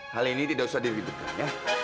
hal ini tidak usah dirugikan ya